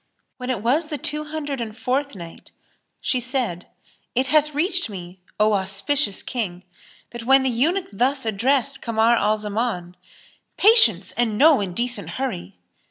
When it was the Two Hundred and Fourth Night, She said, It hath reached me, O auspicious King, that when the eunuch thus addressed Kamar al Zaman, "Patience, and no indecent hurry!"